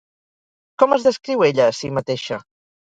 Com es descriu ella a si mateixa?